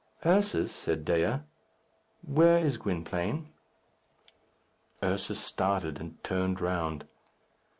"Ursus," said Dea, "where is Gwynplaine?" Ursus started and turned round.